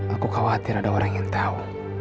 aku khawatir ada orang yang tahu